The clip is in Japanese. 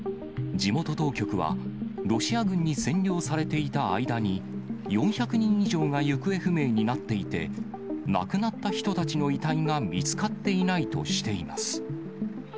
地元当局は、ロシア軍に占領されていた間に、４００人以上が行方不明になっていて、亡くなった人たちの遺体が見つかっていないとしています。